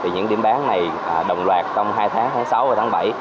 những điểm bán này đồng loạt trong hai tháng tháng sáu và tháng bảy